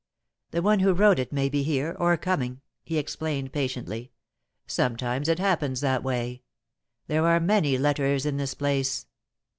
"The one who wrote it may be here, or coming," he explained, patiently. "Sometimes it happens that way. There are many letters in this place."